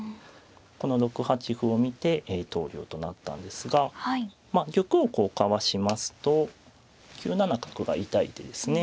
この６八歩を見て投了となったんですがまあ玉をこうかわしますと９七角が痛い手ですね。